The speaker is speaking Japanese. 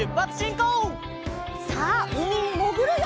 さあうみにもぐるよ！